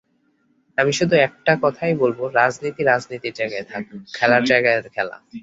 আমি শুধু একটা কথাই বলব, রাজনীতি রাজনীতির জায়গায় থাক, খেলার জায়গায় খেলা।